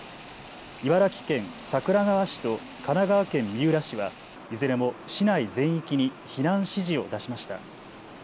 茨城県桜川市と神奈川県三浦市はいずれも市内全域に避難指示を出しました。